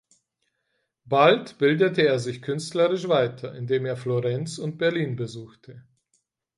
Bald bildete er sich künstlerisch weiter, indem er Florenz und Berlin besuchte.